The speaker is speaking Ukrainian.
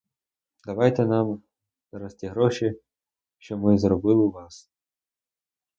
Давайте нам зараз ті гроші, що ми заробили у вас.